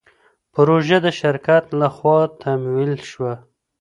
پروژه د شرکت له خوا تمویل شوه.